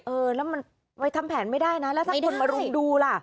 เออแล้วมันไปทำแผนไม่ได้นะแล้วถ้าคนมารุมดูล่ะ